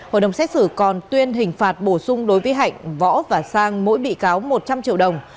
hội đồng xét xử còn tuyên hình phạt bổ sung đối với hạnh võ và sang mỗi bị cáo một trăm linh triệu đồng